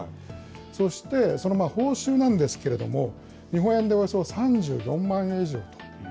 そして、その報酬なんですけれども、日本円でおよそ３４万円以上と。